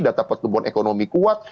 data pertumbuhan ekonomi kuat